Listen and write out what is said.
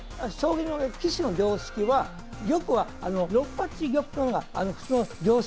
棋士の常識は玉は６八玉というのが普通の常識。